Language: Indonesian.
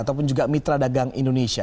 ataupun juga mitra dagang indonesia